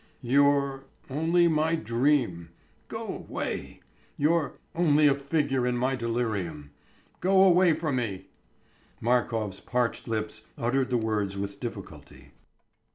"You're only my dream ... go away ... you're only a figure in my delirium. Go away from me!" Markof's parched lips uttered the words with difficulty.